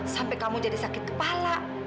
sampai kamu jadi sakit kepala